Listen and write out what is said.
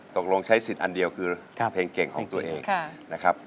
ตกลงใช้สิทธิ์อันเดียวคือเพลงเก่งของตัวเองนะครับ